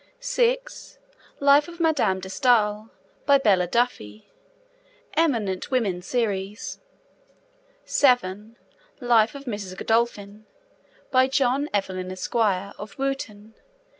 (6) Life of Madame de Stael. By Bella Duffy. 'Eminent Women' Series. (7) Life of Mrs. Godolphin. By John Evelyn, Esq., of Wooton.